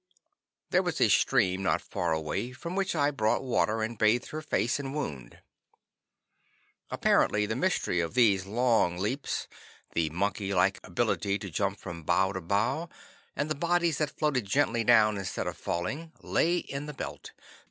There was a stream not far away, from which I brought water and bathed her face and wound. Apparently the mystery of these long leaps, the monkey like ability to jump from bough to bough, and of the bodies that floated gently down instead of falling, lay in the belt.